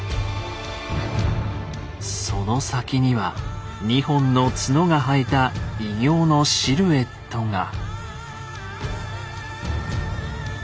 その先には２本の角が生えた異形のシルエットが。